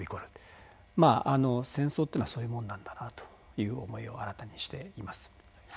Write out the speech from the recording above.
まあ戦争というのはそういうものなんだなという思いを新たにしています。